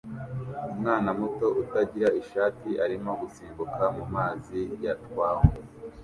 Umwana muto utagira ishati arimo gusimbuka mumazi yatwaye